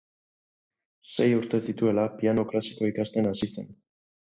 Sei urte zituela piano klasikoa ikasten hasi zen.